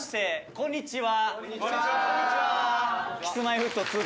「こんにちは！」